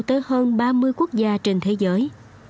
tới hơn ba mươi quốc gia trên thế giới